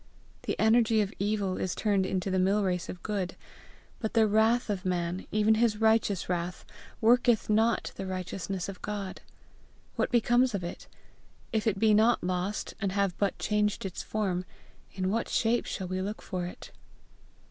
The energy of evil is turned into the mill race of good; but the wrath of man, even his righteous wrath, worketh not the righteousness of God! What becomes of it? If it be not lost, and have but changed its form, in what shape shall we look for it?